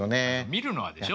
見るのはでしょ。